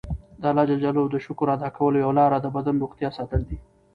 د الله ج د شکر ادا کولو یوه لاره د بدن روغتیا ساتل دي.